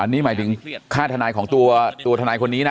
นี่หมายถึงค่าทนายของตัวทนายคนนี้นะ